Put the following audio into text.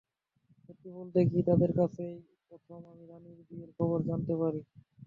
সত্যি বলতে কী, তাঁদের কাছেই প্রথম আমি রানীর বিয়ের খবর জানতে পারি।